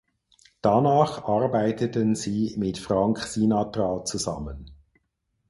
Danach arbeiteten sie mit Frank Sinatra zusammen.